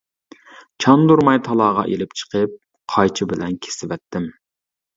چاندۇرماي تالاغا ئېلىپ چىقىپ قايچا بىلەن كېسىۋەتتىم.